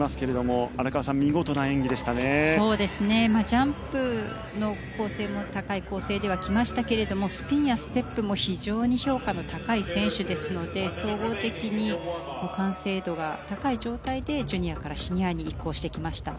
ジャンプの構成も高い構成ではきましたけれどもスピンやステップも非常に評価の高い選手ですので総合的に完成度が高い状態でジュニアからシニアに移行してきました。